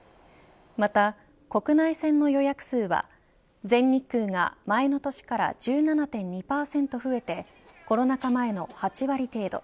また国内線の予約数は全日空が前の年から１７．２％増えてコロナ禍前の８割程度。